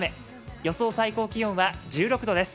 予想最高気温は１６度です。